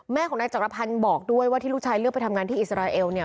แม่ของนายจักรพันธ์บอกด้วยว่าที่ลูกชายเลือกไปทำงานที่อิสราเอลเนี่ย